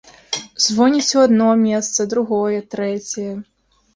Звоніць у адно месца, другое, трэцяе.